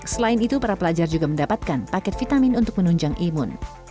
selain itu para pelajar juga mendapatkan paket vitamin untuk menunjang imun